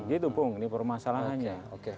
gitu pung ini permasalahannya